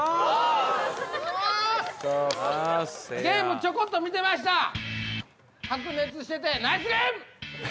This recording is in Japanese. ゲームちょこっと見てました。